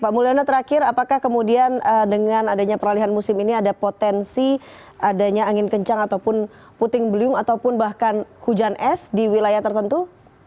pak mulyono terakhir apakah kemudian dengan adanya peralihan musim ini ada potensi adanya angin kencang ataupun puting beliung ataupun bahkan hujan es di wilayah tertentu